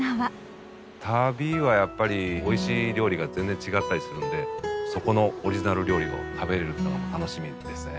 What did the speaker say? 旅はおいしい料理が全然違ったりするんでそこのオリジナル料理を食べるのが楽しみですね。